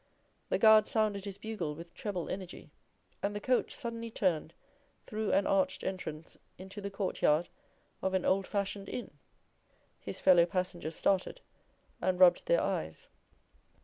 The guard sounded his bugle with treble energy, and the coach suddenly turned through an arched entrance into the court yard of an old fashioned inn. His fellow passengers started and rubbed their eyes.